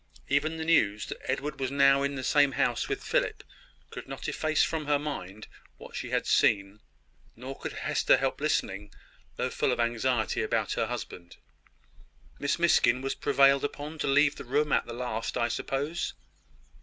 Even the news that Edward was now in the same house with Philip, could not efface from her mind what she had seen; nor could Hester help listening, though full of anxiety about her husband. "Miss Miskin was prevailed upon to leave her room at the last, I suppose?"